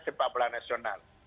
sepak bola nasional